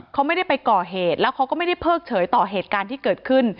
เขาไม่ได้ไปก่อเหตุแล้วเขาก็ไม่ได้เพิกเฉยต่อเหตุการณ์ที่เกิดขึ้น